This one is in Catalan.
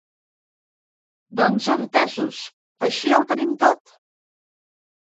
Doncs entesos, així ja ho tenim tot?